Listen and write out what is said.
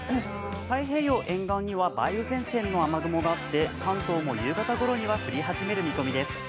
太平洋沿岸には梅雨前線の雨雲があって関東も夕方頃には降り始める見込みです。